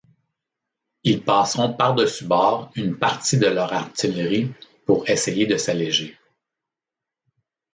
Ils passeront par-dessus bord une partie de leur artillerie pour essayer de s'alléger.